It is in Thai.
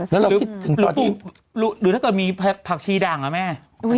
แล้วเราคิดถึงตอนนี้หรือถ้าเกิดมีผักชีด่างอะแม่